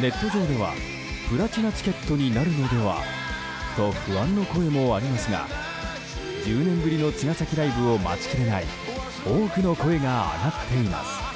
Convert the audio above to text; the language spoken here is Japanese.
ネット上ではプラチナチケットになるのではと不安の声もありますが１０年ぶりの茅ヶ崎ライブを待ちきれない多くの声が上がっています。